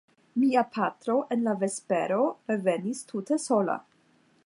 Mia patro en la vespero revenis tute sola.